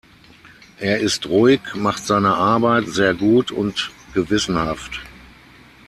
Er ist ruhig, macht seine Arbeit sehr gut und gewissenhaft.